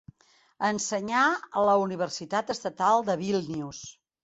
Ensenyà a la Universitat Estatal de Vílnius.